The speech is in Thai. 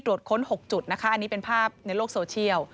ค้น๖จุดนะคะอันนี้เป็นภาพในโลกโซเชียล